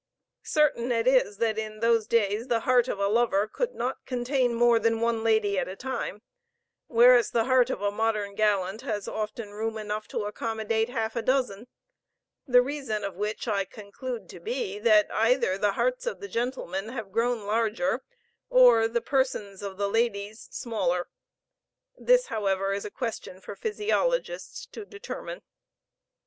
Certain it is that in those day the heart of a lover could not contain more than one lady at a time, whereas the heart of a modern gallant has often room enough to accommodate half a dozen; the reason of which I conclude to be, that either the hearts of the gentlemen have grown larger, or the persons of the ladies smaller; this, however, is a question for physiologists to determine.